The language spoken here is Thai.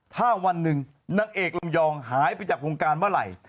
ถ้าวันหนึ่งนางเอกลำยองหายไปจากวงการเมื่อไหร่